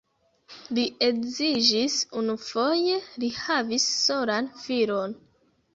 Li edziĝis unufoje, li havis solan filon.